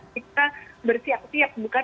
kita bersiap siap bukan